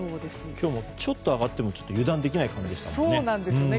今日もちょっと上がっても油断できない感じでしたからね。